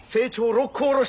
「六甲おろし」